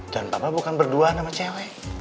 dan papa bukan berdua sama cewek